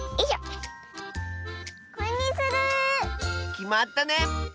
きまったね！